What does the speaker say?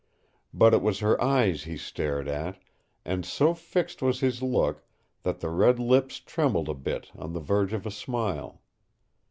But it was her eyes he stared at, and so fixed was his look that the red lips trembled a bit on the verge of a smile.